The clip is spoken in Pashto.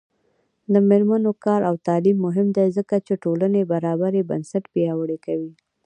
د میرمنو کار او تعلیم مهم دی ځکه چې ټولنې برابرۍ بنسټ پیاوړی کوي.